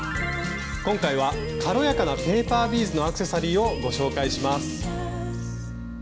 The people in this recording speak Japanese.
今回は軽やかな「ペーパービーズのアクセサリー」をご紹介します。